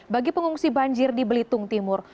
bagi pengungsi banjir di belitung timur